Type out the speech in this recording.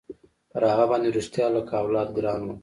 پر هغه باندې رښتيا لكه اولاد ګران وم.